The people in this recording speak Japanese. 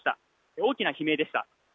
大きな悲鳴でした。